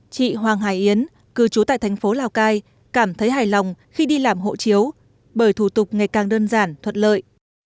chị hoàng hải yến cư trú tại thành phố lào cai cảm thấy hài lòng khi đi làm hộ chiếu bởi thủ tục ngày càng đơn giản thuật lợi